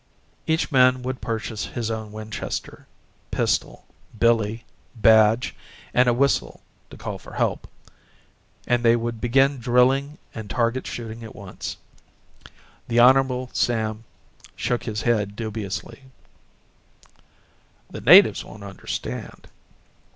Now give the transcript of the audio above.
Each man would purchase his own Winchester, pistol, billy, badge and a whistle to call for help and they would begin drilling and target shooting at once. The Hon. Sam shook his head dubiously: "The natives won't understand."